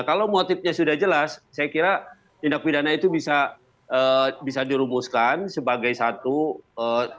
kalau motifnya sudah jelas saya kira tindak pidana itu bisa dirumuskan sebagai satu tindak pidana yang berbeda